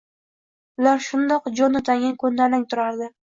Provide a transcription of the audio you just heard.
ular shundoq Jonatanga ko‘ndalang turardi.